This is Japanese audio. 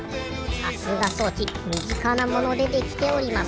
さすが装置みぢかなものでできております。